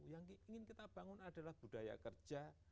yang ingin kita bangun adalah budaya kerja